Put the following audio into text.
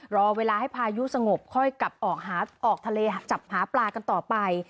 รอเวลาให้พายุสงบค่อยกลับออกทะเลจับหาปลากันต่อไป